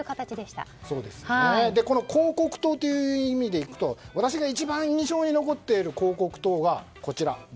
この広告塔という意味でいくと私が一番印象に残っている広告塔は、こちら。